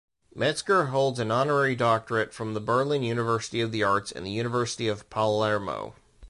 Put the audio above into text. Metzger holds an honorary doctorate from the Berlin University of the Arts and the University of Palermo.